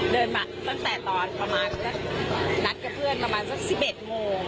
เดินมาตั้งแต่ตอนประมาณสักนัดกับเพื่อนประมาณสัก๑๑โมง